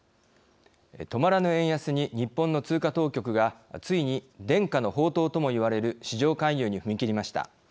止まらぬ円安に日本の通貨当局がついに伝家の宝刀ともいわれる市場介入に踏み切りました。